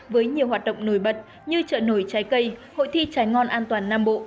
với nhiều hoạt động nổi bật như trợ nổi trái cây hội thi trái ngon an toàn nam bộ